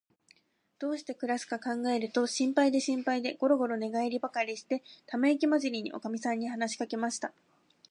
どうしてくらすかかんがえると、心配で心配で、ごろごろ寝がえりばかりして、ためいきまじりに、おかみさんに話しかけました。